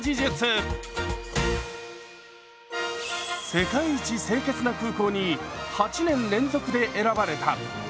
「世界一清潔な空港」に８年連続で選ばれた羽田空港。